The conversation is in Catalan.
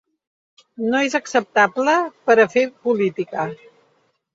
No és acceptable per a fer política.